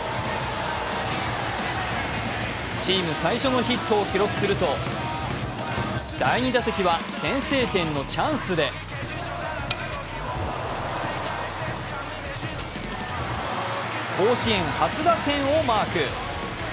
チーム最初のヒットを記録すると、第２打席は、先制点のチャンスで甲子園初打点をマーク。